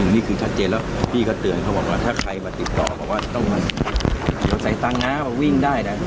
นี่คือชัดเจนแล้วพี่ก็เตือนเขาบอกว่าถ้าใครมาติดต่อบอกว่าต้องมาใส่ตังค์นะมาวิ่งได้นะ